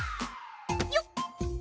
よっ。